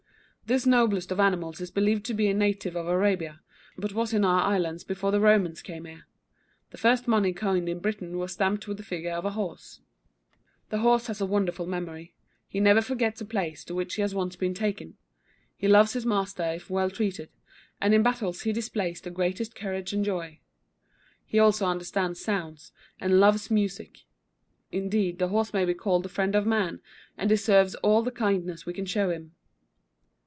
_ This noblest of animals is believed to be a native of Arabia; but was in our islands before the Romans came here. The first money coined in Britain was stamped with the figure of a horse. [Illustration: THE HORSE.] The horse has a wonderful memory. He never forgets a place to which he has once been taken. He loves his master if well treated; and in battles he displays the greatest courage and joy. He also understands sounds, and loves music. Indeed, the horse may be called the friend of man, and deserves all the kindness we can show him.